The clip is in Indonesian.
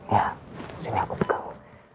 ya sini aku pegang